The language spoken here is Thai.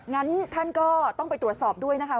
งั้นท่านก็ต้องไปตรวจสอบด้วยนะคะ